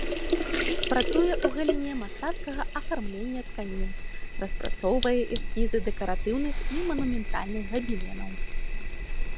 Працуе ў галіне мастацкага афармлення тканін, распрацоўвае эскізы дэкаратыўных і манументальных габеленаў.